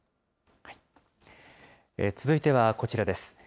続いてはこちらです。